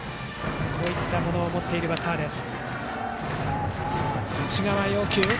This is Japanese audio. こういったものを持っているバッターです。